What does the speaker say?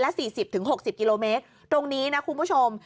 และ๔๐๖๐กิโลเมตรตรงนี้นะคุณผู้ชม